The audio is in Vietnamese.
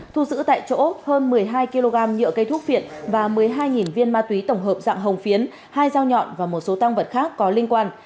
thu giữ tại chỗ hơn một mươi hai kg nhựa cây thuốc viện và một mươi hai viên ma túy tổng hợp dạng hồng phiến hai dao nhọn và một số tăng vật khác có liên quan